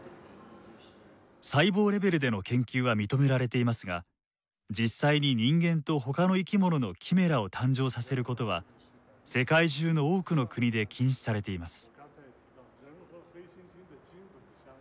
細胞レベルでの研究は認められていますが実際に人間とほかの生き物のキメラを誕生させることは世界中の多くの国で禁止されています。